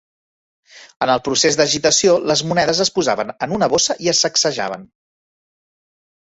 En el procés d'agitació, les monedes es posaven en una bossa i es sacsejaven